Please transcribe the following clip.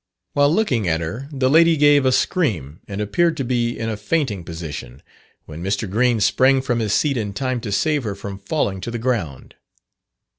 While looking at her, the lady gave a scream and appeared to be in a fainting position, when Mr. Green sprang from his seat in time to save her from falling to the ground.